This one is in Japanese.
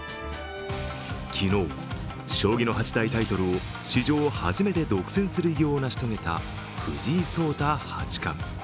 昨日、将棋の八大タイトルを史上初めて独占する偉業を成し遂げた藤井聡太八冠。